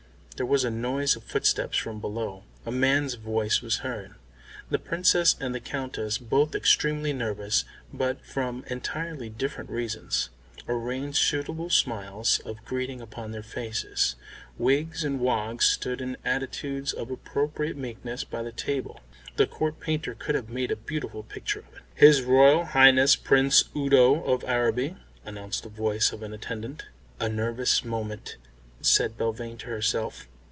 There was a noise of footsteps from below; a man's voice was heard. The Princess and the Countess, both extremely nervous, but from entirely different reasons, arranged suitable smiles of greeting upon their faces; Wiggs and Woggs stood in attitudes of appropriate meekness by the table. The Court Painter could have made a beautiful picture of it. "His Royal Highness Prince Udo of Araby," announced the voice of an attendant. "A nervous moment," said Belvane to herself.